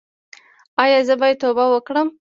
ایا زه باید توبه وکړم؟